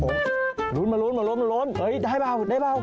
โอ้โฮลุ้นมาได้เปล่า